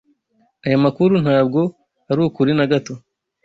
Aya makuru ntabwo arukuri na gato.